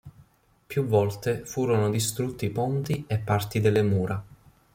Più volte furono distrutti ponti e parti delle mura.